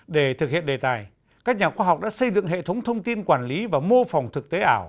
để thực hiện đề tài các nhà khoa học đã xây dựng hệ thống thông tin quản lý và mô phòng thực tế ảo